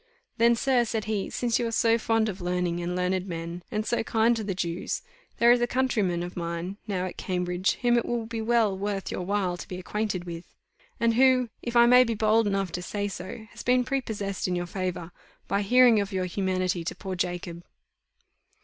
"Then, sir," said he, "since you are so fond of learning and learned men, and so kind to the Jews, there is a countryman of mine now at Cambridge, whom it will be well worth your while to be acquainted with; and who, if I may be bold enough to say so, has been prepossessed in your favour, by hearing of your humanity to poor Jacob."